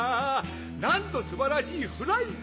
なんと素晴らしいフライト。